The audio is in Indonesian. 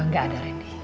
gak ada randy